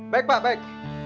baik pak baik